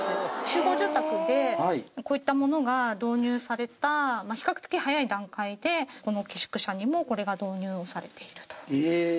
集合住宅でこういったものが導入された比較的早い段階でこの寄宿舎にもこれが導入されていると。